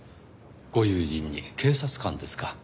ご友人に警察官ですか。